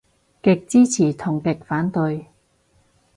極支持同極反感